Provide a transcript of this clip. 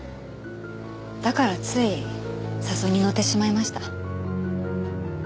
だからつい誘いに乗ってしまいました。